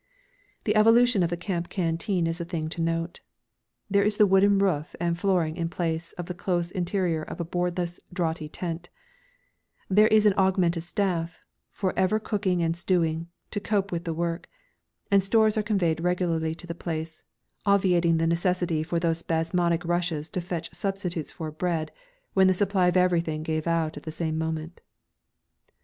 The evolution of the camp canteen is a thing to note. There is the wooden roof and flooring in place of the close interior of a boardless, draughty tent; there is an augmented staff, for ever cooking and stewing, to cope with the work; and stores are conveyed regularly to the place, obviating the necessity for those spasmodic rushes to fetch substitutes for bread when the supply of everything gave out at the same moment.